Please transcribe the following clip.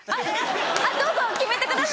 あっどうぞ決めてください。